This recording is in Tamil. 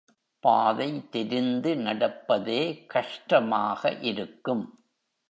பாதை தெரிந்து நடப்பதே கஷ்டமாக இருக்கும்.